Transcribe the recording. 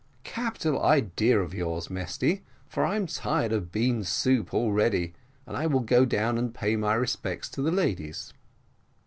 "Capital idea of yours, Mesty, for I'm tired of bean soup already, and I will go down and pay my respects to the ladies."